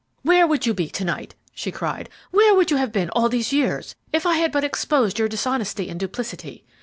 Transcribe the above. "Where would you be to night?" she cried, "where would you have been all these years, if I had but exposed your dishonesty and duplicity?